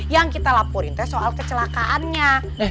yang kita laporin soal kecelakaannya